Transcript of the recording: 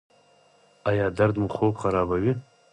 ایا درد مو خوب خرابوي؟